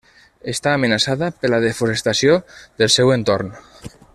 Està amenaçada per la desforestació del seu entorn.